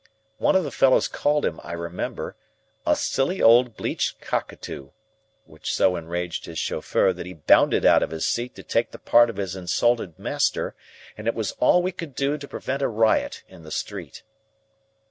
One of the fellows called him, I remember, "a silly old bleached cockatoo," which so enraged his chauffeur that he bounded out of his seat to take the part of his insulted master, and it was all we could do to prevent a riot in the street.